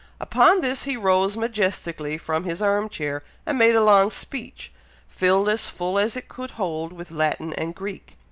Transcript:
Upon this he rose majestically from his arm chair, and made a long speech, filled as full as it could hold with Latin and Greek.